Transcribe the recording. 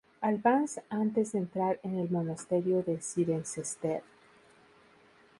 Albans antes de entrar en el monasterio de Cirencester.